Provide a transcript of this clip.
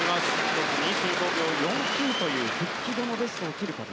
１つ、２５秒４９という復帰後のベストを切ること。